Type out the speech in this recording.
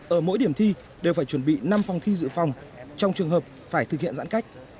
ở mỗi điểm thi đều phải chuẩn bị năm phòng thi dự phòng trong trường hợp phải thực hiện giãn cách